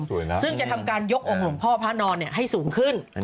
ซึ่งจะทำการยกองค์หลวงพ่อพระนอนให้สูงขึ้น